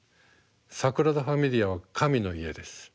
サグラダ・ファミリアは神の家です。